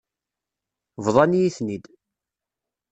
Bḍan-iyi-ten-id.